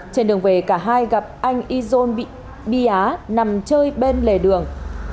trên đường về cả hai gặp anh izon bị bi á nằm chơi bên lề đường